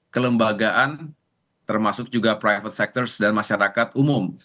kelewatan termasuk juga sektor pribadi dan masyarakat umum